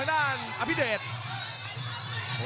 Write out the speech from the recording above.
อร่อยจริง